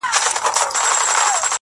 مخ يې ونيوى پر كور ما ته يې شا سوه-